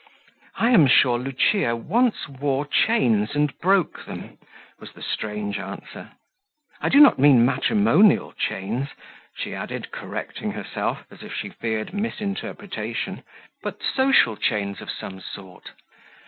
"I am sure Lucia once wore chains and broke them," was the strange answer. "I do not mean matrimonial chains," she added, correcting herself, as if she feared mis interpretation, "but social chains of some sort.